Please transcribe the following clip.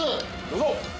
どうぞ！